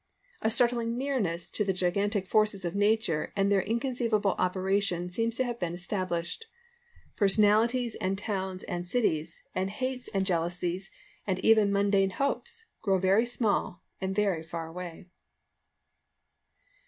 A startling nearness to the gigantic forces of Nature and their inconceivable operation seems to have been established. Personalities and towns and cities, and hates and jealousies, and even mundane hopes, grow very small and very far away."